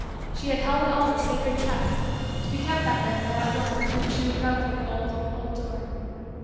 She had held it all as a sacred trust to be kept by her for that one with whom she should go through the old, old door.